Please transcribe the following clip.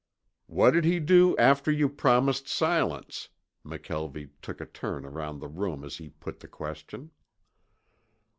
"What did he do after you promised silence?" McKelvie took a turn around the room as he put the question.